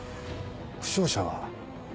負傷者は？